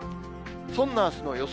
そんなあすの予想